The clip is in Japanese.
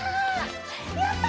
やった！